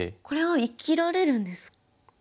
これは生きられるんですか？